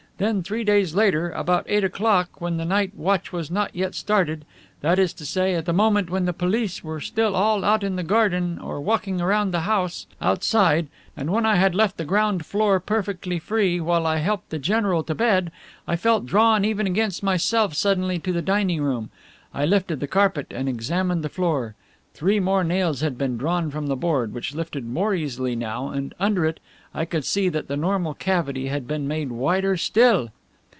Then, three days later, about eight o'clock, when the night watch was not yet started, that is to say at the moment when the police were still all out in the garden or walking around the house, outside, and when I had left the the ground floor perfectly free while I helped the general to bed, I felt drawn even against myself suddenly to the dining room. I lifted the carpet and examined the floor. Three more nails had been drawn from the board, which lifted more easily now, and under it, I could see that the normal cavity had been made wider still!"